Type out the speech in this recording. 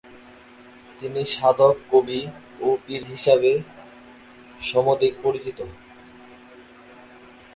তিনি সাধক কবি ও পীর হিসেবে সমধিক পরিচিত।